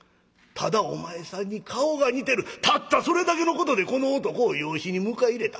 ただお前さんに顔が似てるたったそれだけのことでこの男を養子に迎え入れた。